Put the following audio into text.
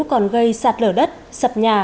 còn gây sạt lở đất sập nhà